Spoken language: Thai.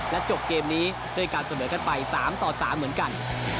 จบเกมนี้ด้วยการเสมอกันไป๓ต่อ๓เหมือนกัน